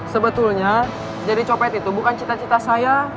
sebetulnya jadi copet itu bukan cita cita saya